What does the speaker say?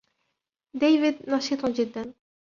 ديفيد نشيط جداً.